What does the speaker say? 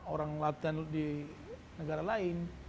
orang latihan di negara lain